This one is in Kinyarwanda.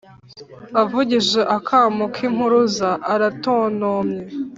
avugije akamo k’impuruza, aratontomye,